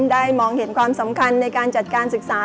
มองเห็นความสำคัญในการจัดการศึกษา